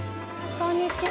こんにちは。